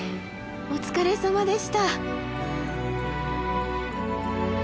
お疲れさまでした。